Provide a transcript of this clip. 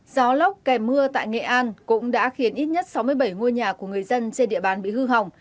gió lốc kèm mưa tại nghệ an cũng đã khiến ít nhất sáu mươi bảy ngôi nhà của người dân trên địa bàn bị hư hỏng